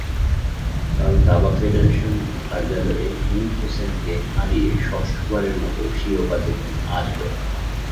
কাল দাবা ফেডারেশন কার্যালয়ে মীর হোসেনকে হারিয়ে ষষ্ঠবারের মতো শিরোপা জেতেন আজগর।